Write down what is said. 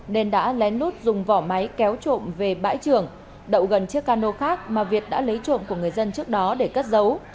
nên đã lén lút dùng vỏ máy kéo trộm về bãi trường đậu gần chiếc cano khác mà việt đã lấy trộm của người dân trước đó để cất giấu